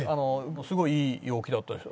すごいいい陽気だったし。